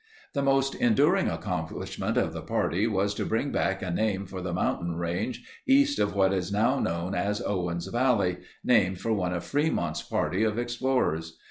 The most enduring accomplishment of the party was to bring back a name for the mountain range east of what is now known as Owens Valley, named for one of Fremont's party of explorers.